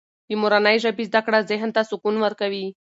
د مورنۍ ژبې زده کړه ذهن ته سکون ورکوي.